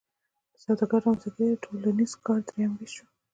د سوداګر رامنځته کیدل د ټولنیز کار دریم ویش شو.